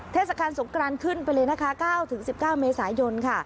เทศกาลสงกรานขึ้นไปเลยนะคะ๙๑๙เมษายนค่ะ